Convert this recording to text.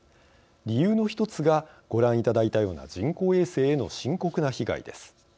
理由のひとつがご覧いただいたような人工衛星への深刻な被害です。